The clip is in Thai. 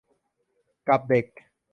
กับเด็ก